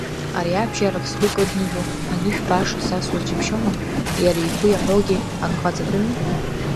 Ариабжьарак сгәы кыднажәо анышә баша сасуаз џьыбшьома, иара игәы иахәогьы акы ҟаҵатәыми…